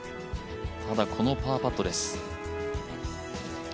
ただ、このパーパットです。